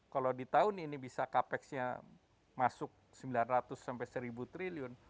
kalau di tahun ini bisa capexnya masuk sembilan ratus sampai satu triliun